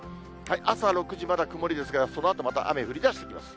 朝６時、まだ曇りですが、そのあとまた雨降りだしてきます。